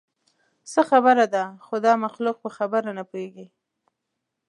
څه خبره ده؟ خو دا مخلوق په خبره نه پوهېږي.